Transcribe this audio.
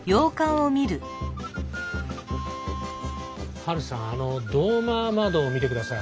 ハルさんあのドーマー窓を見てください。